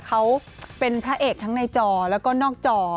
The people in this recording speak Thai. เขาเป็นพระเอกทั้งในจอแล้วก็นอกจอ